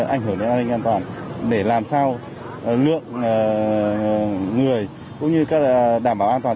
ảnh hưởng đến an ninh an toàn để làm sao lượng người cũng như là đảm bảo an toàn